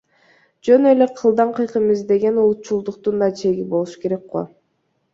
Жөн эле кылдан кыйкым издеген улутчулдуктун да чеги болуш керек ко.